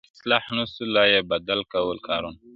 o اصلاح نه سو لایې بد کول کارونه,